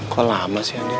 kau lama sih anin